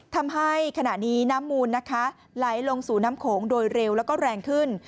ทำให้ขณะนี้น้ำมูลนะคะไหลลงสู่น้ำโขงโดยเร็วแล้วก็แรงขึ้น